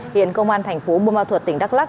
hiện công an thành phố bùa ma thuật tỉnh đắk lắc